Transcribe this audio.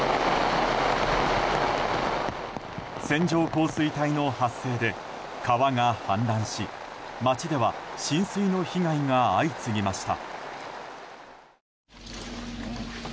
線状降水帯の発生で川が氾濫し町では浸水の被害が相次ぎました。